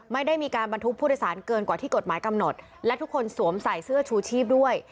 ไม่ได้มีการบรรทุกผู้โดยสารเกินกว่าที่กฎหมายกำหนดและทุกคนสวมใส่เสื้อชูชีพด้วย